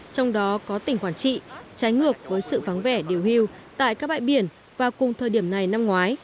trong đó có tỉnh quản trị trái ngược với sự vắng vẻ điều hưu tại các bãi biển vào cùng thời điểm này năm ngoái